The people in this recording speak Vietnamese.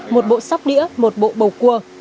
một bộ sóc đĩa một bộ bầu cua